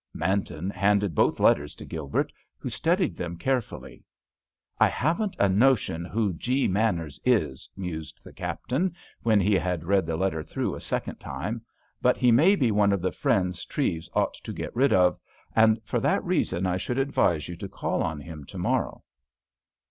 Manton handed both letters to Gilbert, who studied them carefully. "I haven't a notion who G. Manners is," mused the Captain when he had read the letter through a second time, "but he may be one of the friends Treves ought to get rid of, and for that reason I should advise you to call on him to morrow."